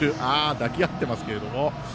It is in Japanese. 抱き合っていますけれども。